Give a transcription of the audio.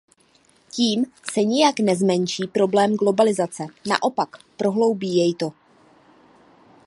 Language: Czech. Tím se nijak nezmenší problém globalizace, naopak, prohloubí jej to.